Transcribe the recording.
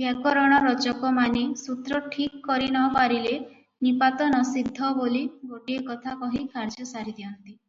ବ୍ୟାକରଣ ରଚକମାନେ ସୂତ୍ର ଠିକ୍ କରି ନପାରିଲେ ନିପାତନସିଦ୍ଧ ବୋଲି ଗୋଟିଏ କଥା କହି କାର୍ଯ୍ୟ ସାରିଦିଅନ୍ତି ।